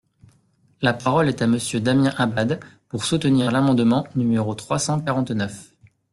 La parole est à Monsieur Damien Abad, pour soutenir l’amendement numéro trois cent quarante-neuf.